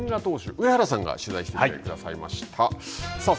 上原さんが取材してくださいましはい。